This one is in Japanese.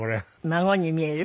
孫に見える？